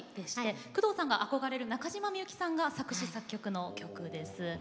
工藤さんが憧れる中島みゆきさんが作詞・作曲された曲です。